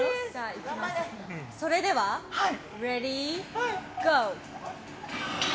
それではレディーゴー。